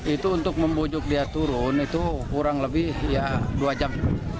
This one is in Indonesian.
itu untuk membujuk dia turun itu kurang lebih dua jam